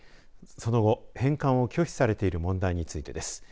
その後、返還を拒否されている問題についてです。